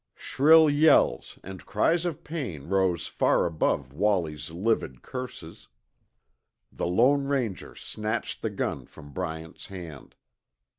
Shrill yells and cries of pain rose far above Wallie's livid curses. The Lone Ranger snatched the gun from Bryant's hand.